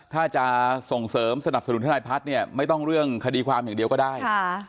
ถ้าจะส่งเสริมสนับสนุนทนายพัฒน์เนี่ยไม่ต้องเรื่องคดีความอย่างเดียวก็ได้